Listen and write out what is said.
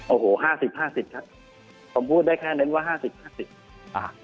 โอ้โห๕๐๕๐ครับผมพูดได้แค่นั้นว่า๕๐๕๐